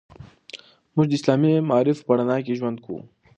موږ د اسلامي معارفو په رڼا کې ژوند کوو.